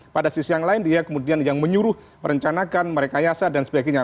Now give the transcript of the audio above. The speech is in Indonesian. pada sisi yang lain dia kemudian yang menyuruh merencanakan merekayasa dan sebagainya